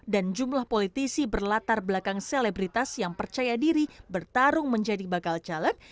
dan jumlah politisi berlatar belakang selebritas yang percaya diri bertarung menjadi bakal caleg